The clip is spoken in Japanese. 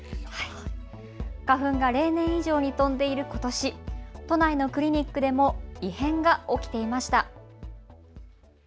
花粉が例年以上に飛んでいることし、都内のクリニックでも異変が起きていました。